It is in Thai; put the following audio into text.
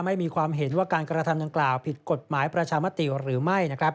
ไม่มีความเห็นว่าการกระทำดังกล่าวผิดกฎหมายประชามติหรือไม่